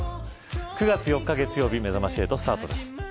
９月４日月曜日めざまし８スタートです。